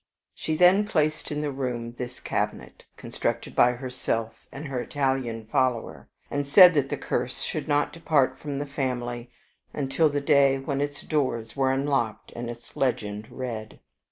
She then placed in the room this cabinet, constructed by herself and her Italian follower, and said that the curse should not depart from the family until the day when its doors were unlocked and its legend read.